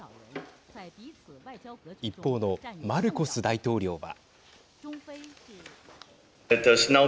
一方のマルコス大統領は。